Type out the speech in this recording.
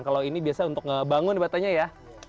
kalau ini biasa untuk ngebangun batanya ya